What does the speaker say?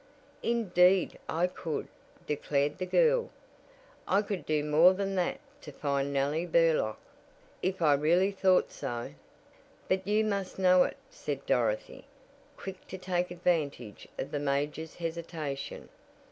"Indeed, I could," declared the girl. "I could do more than that to find Nellie Burlock." "If I really thought so " "But you must know it," said Dorothy, quick to take advantage of the major's hesitation.